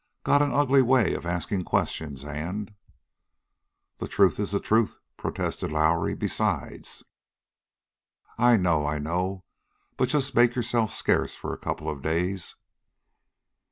Got an ugly way of asking questions, and " "The truth is the truth," protested Lowrie. "Besides " "I know I know. But jest make yourself scarce for a couple of days."